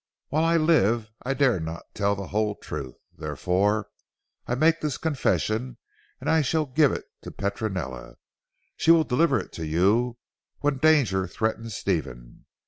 While I live I dare not tell the whole truth. Therefore I make this confession and I shall give it to Petronella. She will deliver it to you when danger threatens Stephen.